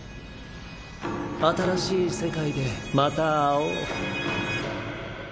新しい世界でまた会おう。